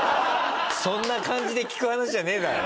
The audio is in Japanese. そんな感じで聞く話じゃねえだろ。